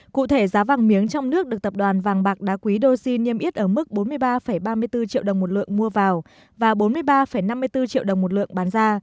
cụ thể giá vàng miếng trong nước được tập đoàn vàng bạc đá quý doxy niêm yết ở mức bốn mươi ba ba mươi bốn triệu đồng một lượng mua vào và bốn mươi ba năm mươi bốn triệu đồng một lượng bán ra